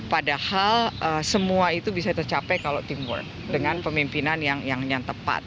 padahal semua itu bisa tercapai kalau teamwork dengan pemimpinan yang tepat